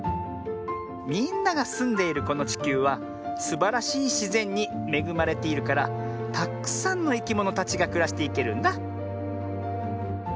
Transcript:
みんながすんでいるこのちきゅうはすばらしいしぜんにめぐまれているからたっくさんのいきものたちがくらしていけるんだ。